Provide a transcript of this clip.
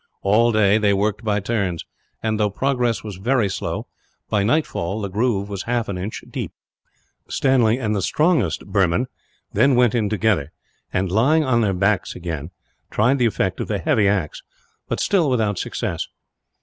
All day they worked by turns and, though progress was very slow, by nightfall the groove was half an inch deep. Stanley and the strongest Burman then went in together and, lying on their backs again, tried the effect of the heavy axe; but still without success.